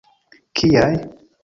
Kiaj?